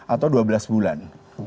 atau dua belas bulan